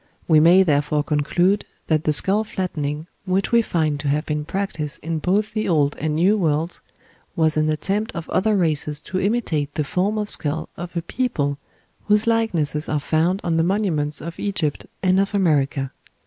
We may therefore conclude that the skull flattening, which we find to have been practised in both the Old and New Worlds, was an attempt of other races to imitate the form of skull of a people whose likenesses are found on the monuments of Egypt and of America.